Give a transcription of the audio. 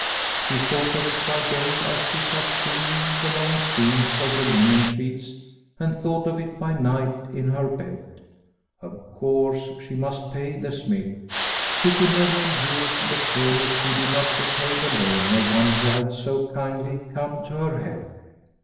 She thought of it by day as she sat sewing the long seams of the linen sheets and thought of it by night in her bed. Of course, she must pay the smith. She could never endure the shame if she did not repay the loan of one who had so kindly come to her help.